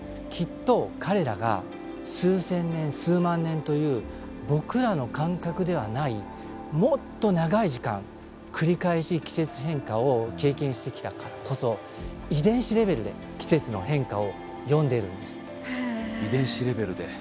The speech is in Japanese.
きっと彼らが数千年数万年という僕らの感覚ではないもっと長い時間繰り返し季節変化を経験してきたからこそ遺伝子レベルで季節の変化を読んでいるんです。